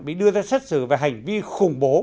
bị đưa ra xét xử về hành vi khủng bố